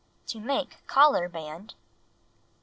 To Make Collar Band 1.